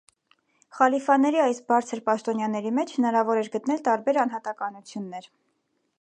Խալիֆաների այս բարձր պաշտոնյաների մեջ հնարավոր էր գտնել տարբեր անհատականություններ։